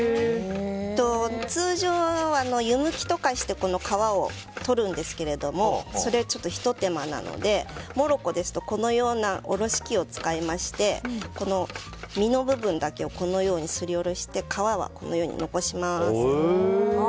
通常、湯むきとかして皮を取るんですけどもそれはひと手間なのでモロッコですとこのようなおろし器を使いまして身の部分だけをすりおろして皮はこのように残します。